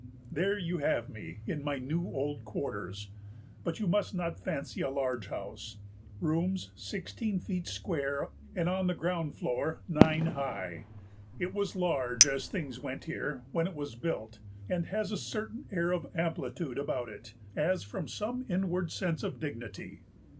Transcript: There you have me in my new old quarters. But you must not fancy a large house rooms sixteen feet square, and on the ground floor, nine high. It was large, as things went here, when it was built, and has a certain air of amplitude about it as from some inward sense of dignity."